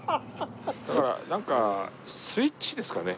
だからなんかスイッチですかね。